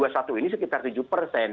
ini sekitar tujuh persen